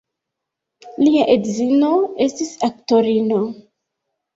Lia edzino estis aktorino.